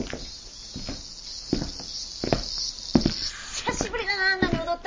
久しぶりだなあんなに踊ったの。